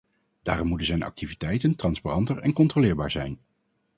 Daarom moeten zijn activiteiten transparanter en controleerbaar zijn.